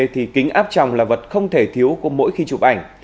thì kính áp tròng là vật không thể thiếu của mỗi khi chụp ảnh